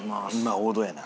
王道やな。